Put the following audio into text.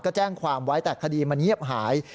ก็แจ้งความไว้แต่คดีมันเงียบหาย